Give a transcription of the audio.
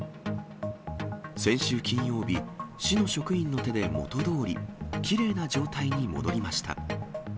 先週金曜日、市の職員の手で元どおり、きれいな状態に戻りました。